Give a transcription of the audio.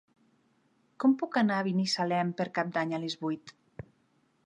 Com puc anar a Binissalem per Cap d'Any a les vuit?